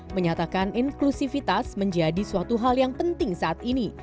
menyatakan inklusivitas menjadi suatu hal yang penting saat ini